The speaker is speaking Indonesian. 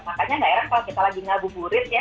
makanya gak heran kalau kita lagi ngabuburit ya